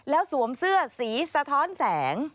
แล้วสวมเสื้อสีสะท้อนแสง